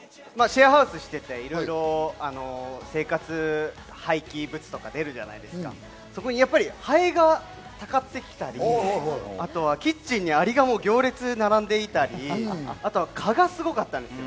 シェアハウスしていて、いろいろ生活廃棄物とか出るじゃないですか、そこにハエがたかってきたり、あとはキッチンにアリが行列で並んでいたり、蚊がすごかったんです。